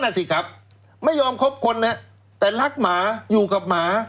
นั่นสิครับไม่ยอมคบคนนะแต่รักหมาอยู่กับหมา